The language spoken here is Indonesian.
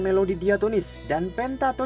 g diode berangka berbentuk